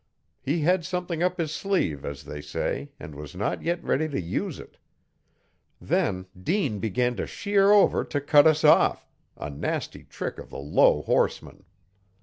He had something up his sleeve, as they say, and was not yet ready to use it. Then Dean began to shear over to cut us off a nasty trick of the low horseman.